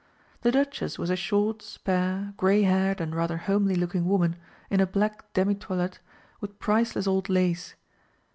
The Duchess was a short, spare, grey haired and rather homely looking woman in a black demi toilette with priceless old lace.